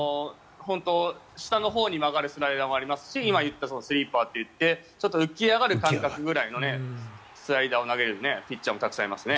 下のほうに曲がるスライダーもありますし今言ったスイーパーといって浮き上がるぐらいの感覚のスライダーを投げるピッチャーもたくさんいますね。